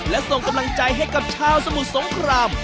และส่งกำลังใจให้กับชาวสมุทรสงคราม